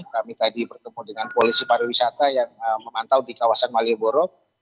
kami tadi bertemu dengan polisi pariwisata yang memantau di kawasan malioboro